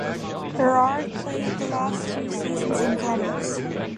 Berard played the last two seasons in Columbus.